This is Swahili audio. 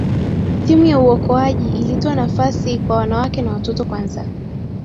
timu ya uokoaji ilitoa nafasi kwa wanawake na watoto kwanza